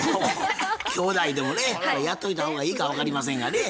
きょうだいでもねやっといた方がいいか分かりませんがね。